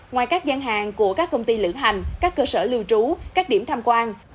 ngoài các gian hàng của các công ty lữ hành các cơ sở lưu trú các điểm tham quan